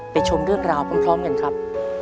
ชมเรื่องราวพร้อมกันครับ